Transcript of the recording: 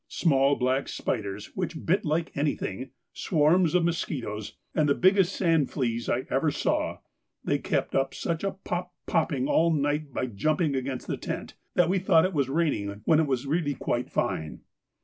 Small black spiders which bit like anything, swarms of mosquitoes, and the biggest sand fleas I ever saw,—they kept up such a pop popping all night by jumping against the tent, that we thought it was raining when it was really quite fine.